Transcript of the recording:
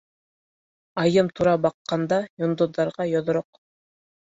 Айым тура баҡҡанда, йондоҙҙарға йоҙроҡ.